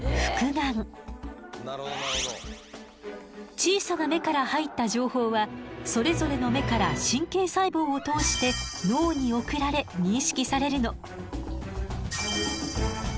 小さな目から入った情報はそれぞれの目から神経細胞を通して脳に送られ認識されるの。